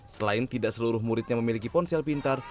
selain tidak seluruh muridnya memiliki ponsel pintar